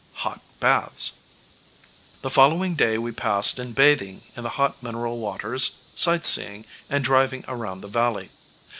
Hot Baths. The following day we passed in bathing in the hot mineral waters, sightseeing and driving around the valley.